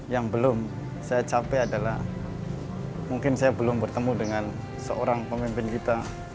yang belum saya capai adalah mungkin saya belum bertemu dengan seorang pemimpin kita